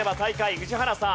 宇治原さん。